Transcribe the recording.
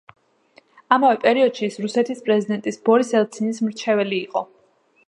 ამავე პერიოდში ის რუსეთის პრეზიდენტის ბორის ელცინის მრჩეველი იყო.